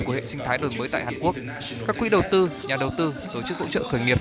của hệ sinh thái đổi mới tại hàn quốc các quỹ đầu tư nhà đầu tư tổ chức hỗ trợ khởi nghiệp